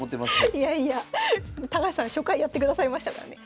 いやいや高橋さん初回やってくださいましたからね。